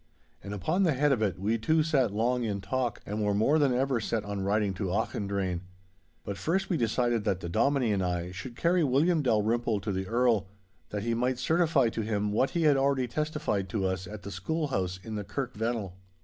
And upon the head of it we two sat long in talk, and were more than ever set on riding to Auchendrayne. But first we decided that the Dominie and I should carry William Dalrymple to the Earl, that he might certify to him what he had already testified to us at the schoolhouse in the Kirk Vennel.